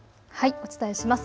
お伝えします。